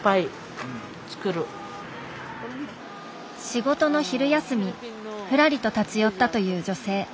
仕事の昼休みふらりと立ち寄ったという女性。